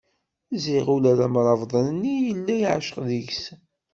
Ziɣ ula d amrabeḍ-nni yella yeɛceq deg-s.